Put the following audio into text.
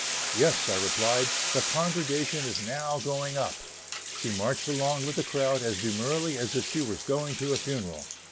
"Yes," I replied, "the congregation is now going up." She marched along with the crowd as demurely as if she was going to a funeral.